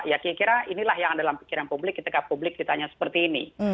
ya kira kira inilah yang ada dalam pikiran publik ketika publik ditanya seperti ini